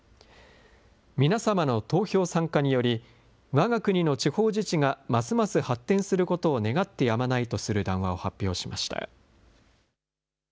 皆様の投票参加により、わが国の地方自治がますます発展することを願ってやまないとする談話を発表しました。